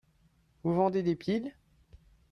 Vous vendez des piles ?